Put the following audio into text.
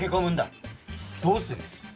どうする？